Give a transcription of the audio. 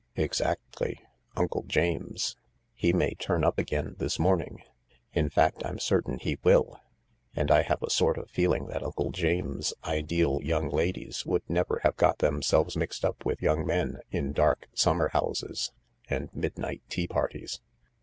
" Exactly. Uncle James. He may turn up again this morning — In fact I'm certain he ie>i#— and I have a sort of feeling that Uncle James's ideal young ladies would never have got themselves mixed up with young men in dark summerhouses and midnight tea parties."